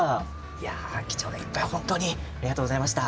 いや、貴重な１杯本当にありがとうございました。